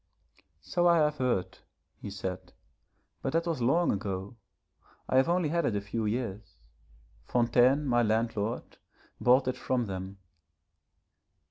'So I have heard,' he said, 'but that was long ago. I have only had it a few years. Fontaine my landlord bought it from them.